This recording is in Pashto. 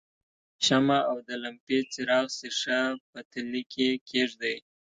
یوه شمع او لمپې څراغ ښيښه په تلې کې کیږدئ.